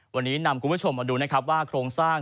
วันนี้นำคุณผู้ชมมาดูนะครับว่าโครงสร้าง